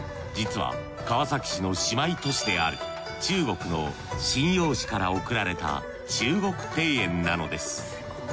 実は川崎市の姉妹都市である中国の瀋陽市から贈られた中国庭園なのです。